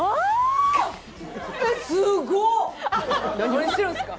何してるんですか？